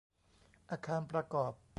อาคารประกอบ